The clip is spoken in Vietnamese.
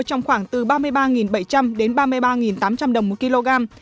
trong khoảng từ ba mươi ba bảy trăm linh đến ba mươi ba tám trăm linh đồng một kg